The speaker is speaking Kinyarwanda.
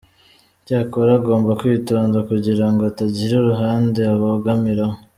Icyakora, agomba kwitonda kugira ngo atagira uruhande abogamiraho.